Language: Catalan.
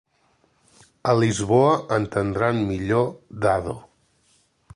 A Lisboa entendran millor Dado.